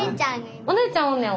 お姉ちゃんおんねや。